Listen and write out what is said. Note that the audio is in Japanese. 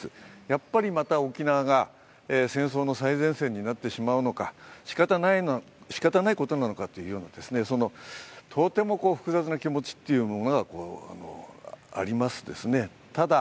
やっぱり、また沖縄が戦争の最前線になってしまうのか、しかたないことなのかというようなとても複雑な気持ちがありますね。